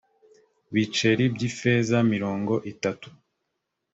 biceri by ifeza mirongo itatu